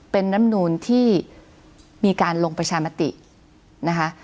เป็นน้ำนูนที่มีการลงประชามตินะคะ